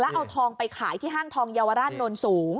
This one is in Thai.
เอาทองไปขายที่ห้างทองเยาวราชนนสูง